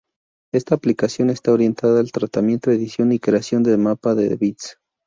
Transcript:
Esta aplicación está orientada al tratamiento, edición y creación de mapa de bits.